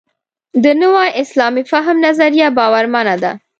د نوي اسلامي فهم نظریه باورمنه ده.